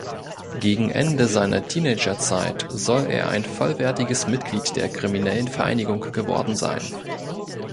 Gegen Ende seiner Teenagerzeit soll er ein vollwertiges Mitglied der kriminellen Vereinigung geworden sein.